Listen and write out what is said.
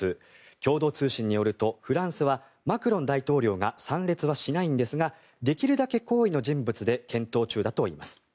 共同通信によるとフランスはマクロン大統領が参列はしないんですができるだけ高位の人物で検討中だといいます。